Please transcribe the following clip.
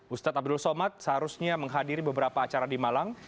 ustadz abdul somad seharusnya menghadiri beberapa acara di malang